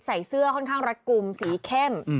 ใส่เสื้อค่อนข้างรัดกลุ่มสีเข้ม